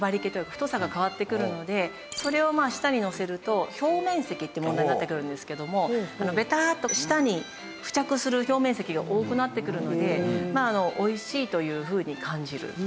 太さが変わってくるのでそれを舌にのせると表面積って問題になってくるんですけどもベターッと舌に付着する表面積が多くなってくるのでおいしいというふうに感じる。